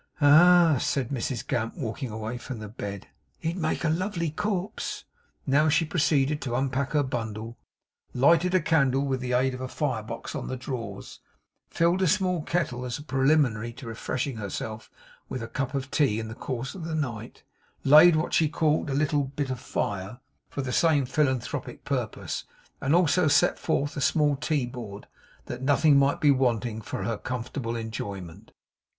'Ah!' said Mrs Gamp, walking away from the bed, 'he'd make a lovely corpse.' She now proceeded to unpack her bundle; lighted a candle with the aid of a fire box on the drawers; filled a small kettle, as a preliminary to refreshing herself with a cup of tea in the course of the night; laid what she called 'a little bit of fire,' for the same philanthropic purpose; and also set forth a small tea board, that nothing might be wanting for her comfortable enjoyment.